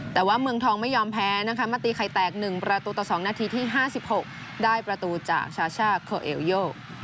แต่ว่าเมืองทองไม่ยอมแพ้นะคะมาตีไข่แตก๑ประตูต่อ๒นาทีที่๕๖ได้ประตูจากชาช่าโคเอลโย